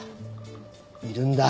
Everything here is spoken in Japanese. いるんだ